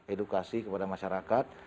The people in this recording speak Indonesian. edukasi kepada masyarakat